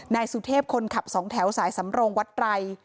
นายสุเทพคนขับสองแถวสายสำโรงวัดไตร